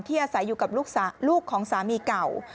อาศัยอยู่กับลูกของสามีเก่า